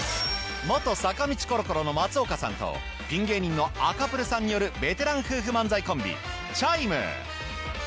元坂道コロコロの松丘さんとピン芸人の赤プルさんによるベテラン夫婦漫才コンビチャイム。